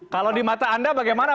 kalau di mata anda bagaimana